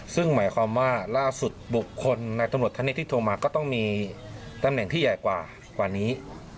ซึ่งหมายความว่าล่าสุดบุคคลในตำรวจคณิตที่โทรมาก็ต้องมีตำแหน่งที่ใหญ่กว่านี้